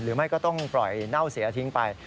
หรือไม่ก็ต้องปล่อยเน่าเสียทิ้งไป